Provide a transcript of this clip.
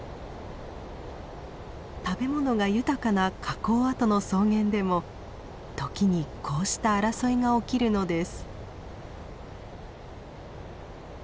食べ物が豊かな火口跡の草原でも時にこうした争いが起きるのです。